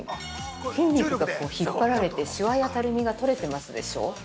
筋肉が引っ張られてしわやたるみが取れてますでしょう。